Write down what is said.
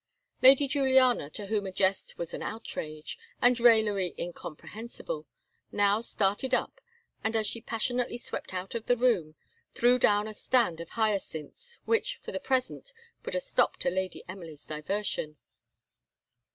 Lady Juliana, to whom a jest was an outrage, and raillery incomprehensible, now started up, and, as she passionately swept out of the room, threw down a stand of hyacinths, which, for the present, put a stop to Lady Emily's diversion.